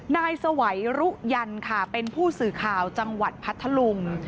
นายสวัยรุยันค่ะเป็นผู้สื่อข่าวจังหวัดพัทธลุง